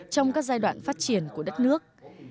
trong các giai đoạn phát triển của đất nước